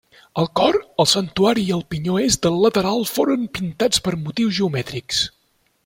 El cor, el santuari i el pinyó est del lateral foren pintats per motius geomètrics.